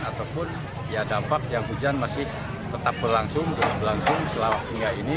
ataupun ya dampak yang hujan masih tetap berlangsung selama hingga ini